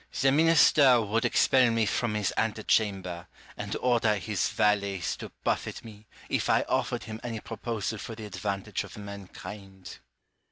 Rousseau. The minister would expel me from his ante chamber, and order his valets to buffet me, if I offered him any proposal for the advantage of mankind.